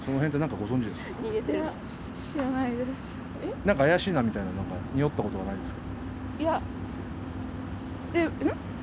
なんか怪しいなみたいなにおった事はないですか？